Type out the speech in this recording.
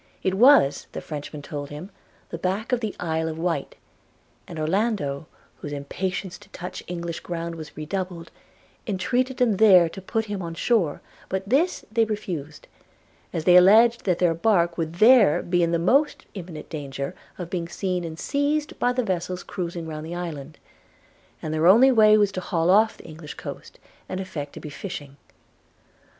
It was, the Frenchman told him, the back of the Isle of Wight; and Orlando, whose impatience to touch English ground was redoubled, entreated them there to put him on shore; but this they refused, as they alledged that their bark would there be in the most imminent danger of being seen and seized by the vessels cruising round the island; and their only way was to haul off the English coast, and affect to be fishing.